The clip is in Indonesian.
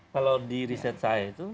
kalau di riset saya itu